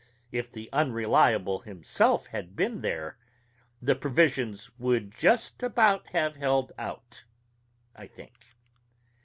If the Unreliable himself had been there, the provisions would just about have held out, I think.